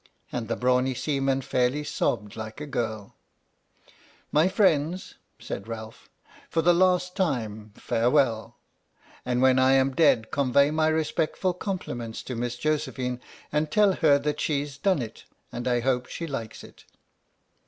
" And the brawny seaman fairly sobbed like a girl. " My friends," said Ralph, " for the last time, farewell! And when I am dead convey my respect ful compliments to Miss Josephine and tell her that she 's done it and I hope she likes it."